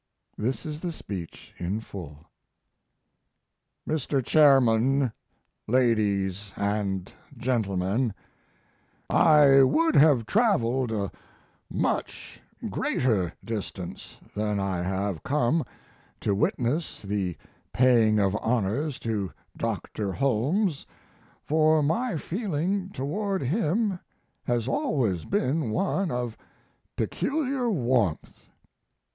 This is the speech in full: MR. CHAIRMAN, LADIES, AND GENTLEMEN, I would have traveled a much greater distance than I have come to witness the paying of honors to Dr. Holmes, for my feeling toward him has always been one of peculiar warmth.